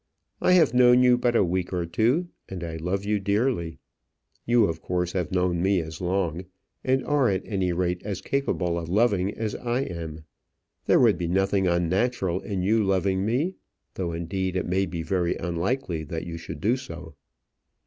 I have known you but a week or two, and I love you dearly. You, of course, have known me as long, and are at any rate as capable of loving as I am. There would be nothing unnatural in you loving me though, indeed, it may be very unlikely that you should do so."